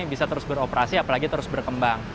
bisa terus beroperasi apalagi terus berkembang